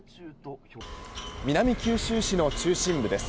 南九州市の中心部です。